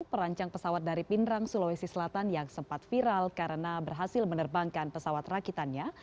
perancang pesawat dari pindrang sulawesi selatan yang sempat viral karena berhasil menerbangkan pesawat rakitannya